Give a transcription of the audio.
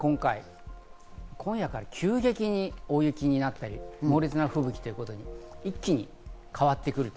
今夜から急激に大雪になったり、猛烈な吹雪ということで一気に変わってくる。